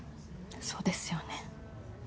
そうですよね。